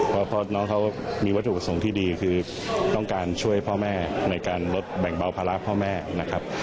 เพราะน้องเขามีวัตถุประสงค์ที่ดีคือต้องการช่วยพ่อแม่ในการลดแบ่งเบาภาระพ่อแม่นะครับ